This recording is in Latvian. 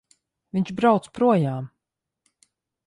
Viņš brauc projām!